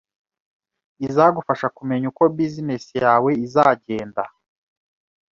izagufasha kumenya uko business yawe izagenda,